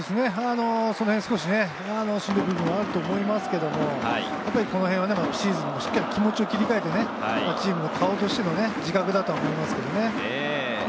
そのへん少しあると思いますけれど、この辺はシーズンにしっかり気持ちを切り替えて、チームの顔としての自覚だと思います。